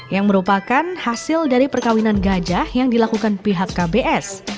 yang merupakan hasil dari perkawinan gajah yang dilakukan pihak kbs